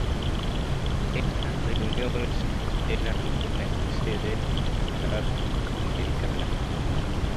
Estas reuniones eran una especie de hermandad americana.